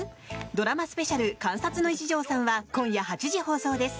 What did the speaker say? ドラマスペシャル「監察の一条さん」は今夜８時放送です。